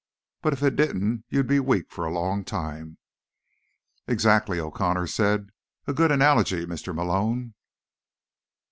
But if it didn't, you'd be weak for a long time." "Exactly," O'Connor said. "A good analogy, Mr. Malone."